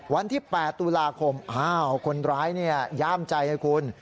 วันที่๘ตุลาคมคนร้ายย่ามใจนะครับคุณ